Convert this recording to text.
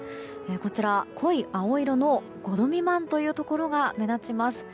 こちら、濃い青色の５度未満というところが目立ちます。